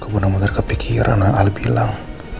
gue bener bener kepikiran yang ali bilang